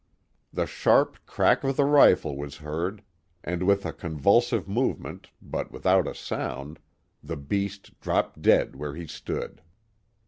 The sharp crack of the rifle was heard, and with a convulsive movement, but without a sound, the beast dropped dead where he stood.